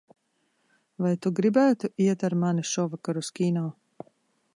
Vai tu gribētu iet ar mani šovakar uz kino?